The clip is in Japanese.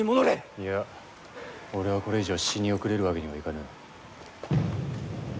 いや、俺はこれ以上死に遅れるわけにはいかぬ。